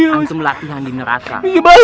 antum latihan di neraka